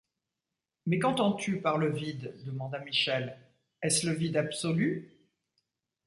Mais qu’entends-tu par le vide ? demanda Michel, est-ce le vide absolu ?